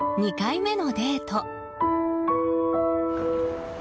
２回目のデート。